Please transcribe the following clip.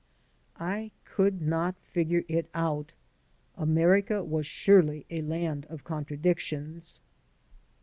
I could not figure it out. America was surely a land of contradictions.